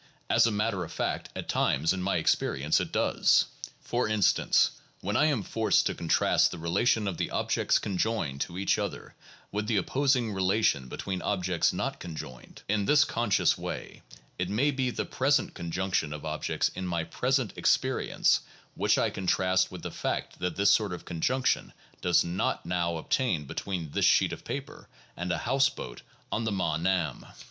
As a matter of fact at times in my experience it does. For instance "when I am forced to contrast the relation of the objects conjoined to each other with the opposing relation between objects not conjoined" 2 in this conscious way, it may be the present conjunction of objects in my present experience which I contrast with the fact that this sort of conjunction does not now obtain between this sheet of paper and a house boat on the MaaNam.